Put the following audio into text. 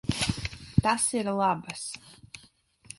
Tas ir labas.